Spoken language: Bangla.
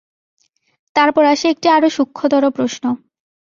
তারপর আসে একটি আরও সূক্ষ্মতর প্রশ্ন।